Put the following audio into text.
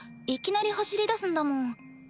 いきなり走りだすんだもん。